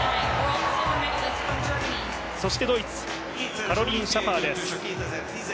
そしてドイツ、カロリン・シャファーです。